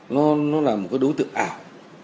nó là một cái đối tượng ảo